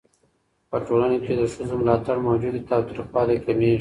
په ټولنه کې چې د ښځو ملاتړ موجود وي، تاوتريخوالی کمېږي.